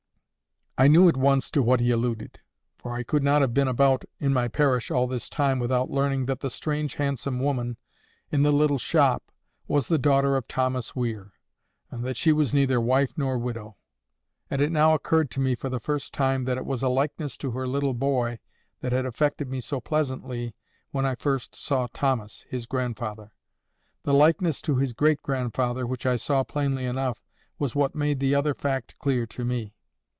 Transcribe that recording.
I knew at once to what he alluded; for I could not have been about in my parish all this time without learning that the strange handsome woman in the little shop was the daughter of Thomas Weir, and that she was neither wife nor widow. And it now occurred to me for the first time that it was a likeness to her little boy that had affected me so pleasantly when I first saw Thomas, his grandfather. The likeness to his great grandfather, which I saw plainly enough, was what made the other fact clear to me.